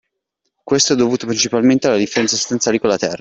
Questo è dovuto principalmente alle differenze sostanziali con la terra.